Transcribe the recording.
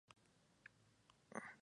Las hembras son de menor talla.